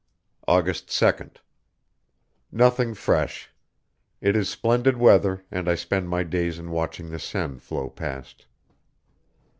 August 2d. Nothing fresh; it is splendid weather, and I spend my days in watching the Seine flow past.